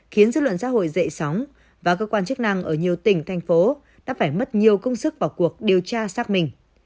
khiến dư luận xã hội dậy sóng và cơ quan chức năng ở nhiều tỉnh thành phố đã phải mất nhiều công sức vào cuộc điều tra xác minh